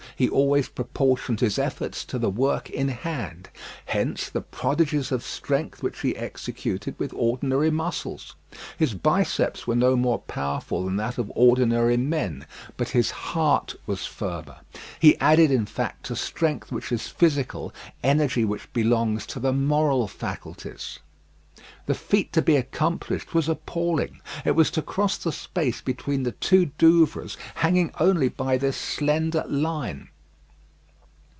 He always proportioned his efforts to the work in hand. Hence the prodigies of strength which he executed with ordinary muscles. His biceps were no more powerful than that of ordinary men; but his heart was firmer. He added, in fact, to strength which is physical, energy which belongs to the moral faculties. The feat to be accomplished was appalling. It was to cross the space between the two Douvres, hanging only by this slender line.